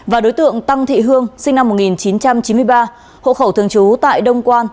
và đối tượng tăng thị hương sinh năm một nghìn chín trăm chín mươi ba hộ khẩu thường trú tại đông quan